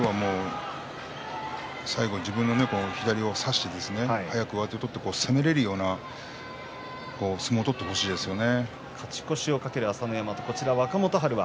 最後は自分の左を差して早く上手を取って攻めるような相撲を取ってほしいですね。